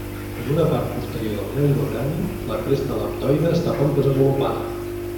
En una part posterior del neurocrani, la cresta lambdoide està poc desenvolupada.